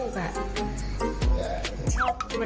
ใช่เหรอ